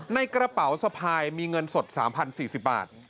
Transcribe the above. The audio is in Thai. ในกระเป๋าสะพายมีเงินสด๓๐๔๐บาท